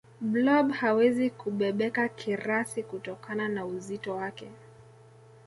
blob hawezi kubebeka kirasi kutokana na uzito wake